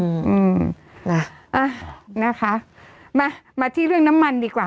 เอ่อนะคะมาที่เรื่องน้ำมันดีกว่า